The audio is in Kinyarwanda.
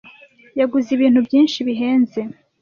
Yaguze ibintu byinshi bihenze.